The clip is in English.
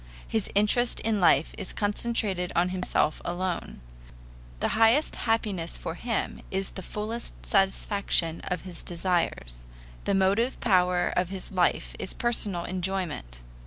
His interest in life is concentrated on himself alone. The highest happiness for him is the fullest satisfaction of his desires. The motive power of his life is personal enjoyment.